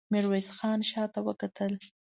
ميرويس خان شاته وکتل.